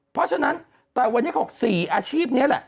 เพราะฉะนั้นแต่วันนี้เขาบอก๔อาชีพนี้แหละ